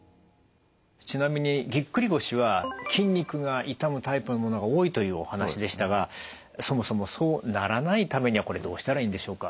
ちなみにぎっくり腰は筋肉が傷むタイプのものが多いというお話でしたがそもそもそうならないためにはこれどうしたらいいんでしょうか？